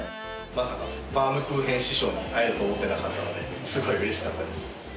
まさかバウムクーヘン師匠に会えると思ってなかったのですごいうれしかったです。